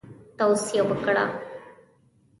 توصیه وکړه.